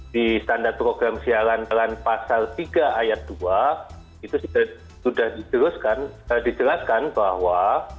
di standar program sialan dalam pasal tiga ayat dua itu sudah dijelaskan bahwa